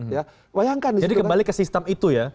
jadi kembali ke sistem itu ya